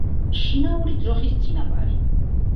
შინაური ძროხის წინაპარი.